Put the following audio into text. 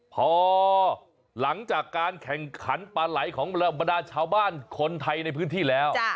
พอหลังจากการแข่งขันปลาไหลของบรรดาชาวบ้านคนไทยในพื้นที่แล้ว